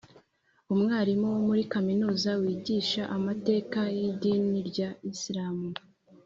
umwarimu wo muri kaminuza wigisha amateka y’idini rya isilamu